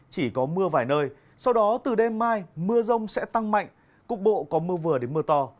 chỉ có mưa vài nơi sau đó từ đêm mai mưa rông sẽ tăng mạnh cục bộ có mưa vừa đến mưa to